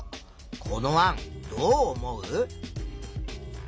この案どう思う？